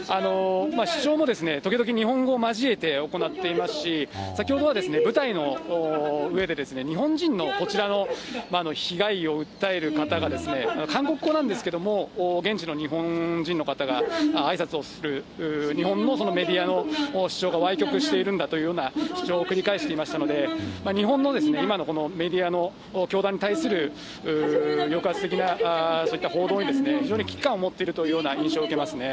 主張も時々、日本語を交えて行っていますし、先ほどは、ぶたいの上でですね、日本人の、こちらの被害を訴える方が、韓国語なんですけれども、現地の日本人の方があいさつをする、日本のメディアの主張がわい曲しているんだというような主張を繰り返していましたので、日本の今のメディアの教団に対する抑圧的なそういった報道に、非常に危機感を持っているというような印象を受けますね。